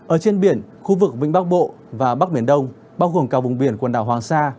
ở trên biển khu vực vĩnh bắc bộ và bắc miền đông bao gồm cả vùng biển quần đảo hoàng sa